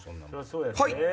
はい！